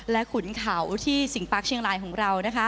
และขุนเข่าที่สิงศิกร์ปลั๊กเชียงรายของเรา